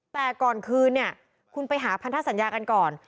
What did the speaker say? แต่ก่อนคืนเนี่ยคุณไปหาพันธสัญญากันก่อน